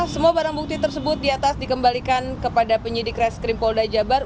semua barang bukti tersebut di atas dikembalikan kepada penyidik reskrim polda jabar